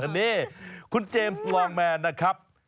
นี่คุณเจมส์วอร์แมนนะครับ